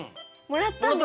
もらったの？